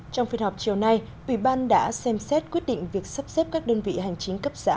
trong phiên họp chiều nay ủy ban đã xem xét quyết định việc sắp xếp các đơn vị hành chính cấp xã